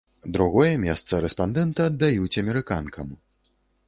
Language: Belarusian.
Другое месца рэспандэнты аддаюць амерыканкам.